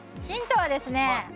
ヒントはですね